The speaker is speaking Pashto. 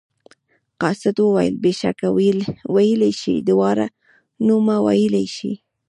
قاصد وویل بېشکه ویلی شي دواړه نومه ویلی شي.